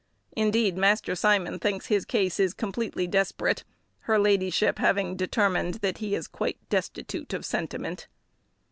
Indeed, Master Simon thinks his case is completely desperate, her ladyship having determined that he is quite destitute of sentiment.